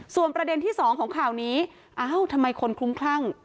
ส่วนประเด็นที่สองของข่าวนี้อ้าวทำไมคนคลุ้มคลั่ง